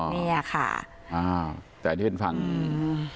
เนี้ยค่ะอ่าแต่ที่เป็นฟังอืม